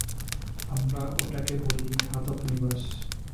আমরা ওটাকে বলি, ঘাতক নিবাস।